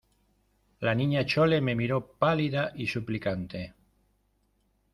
la Niña Chole me miró pálida y suplicante: